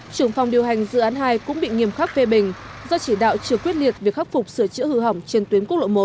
trưởng phòng điều hành dự án hai cũng bị nghiêm khắc phê bình do chỉ đạo chưa quyết liệt việc khắc phục sửa chữa hư hỏng trên tuyến quốc lộ một